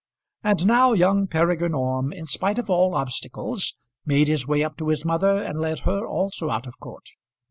And now young Peregrine Orme, in spite of all obstacles, made his way up to his mother and led her also out of court.